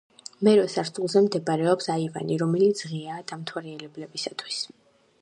მერვე სართულზე მდებარეობს აივანი, რომელიც ღიაა დამთვალიერებლებისათვის.